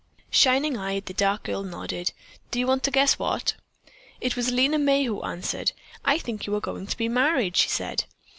Shining eyed, the dark girl nodded. "Do you want to guess what?" It was Lena May who answered: "I think you are going to be married," she said.